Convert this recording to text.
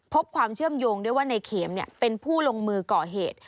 พบความเชื่อมโยงด้วยว่าในเข็มเป็นผู้ลงมือก่อเหตุ